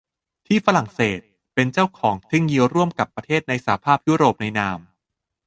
ที่ฝรั่งเศสเป็นเจ้าของเทคโนโลยีร่วมกับประเทศในสหภาพยุโรปในนาม